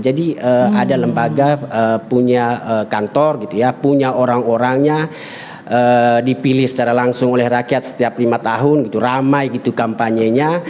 jadi ada lembaga punya kantor gitu ya punya orang orangnya dipilih secara langsung oleh rakyat setiap lima tahun gitu ramai gitu kampanyenya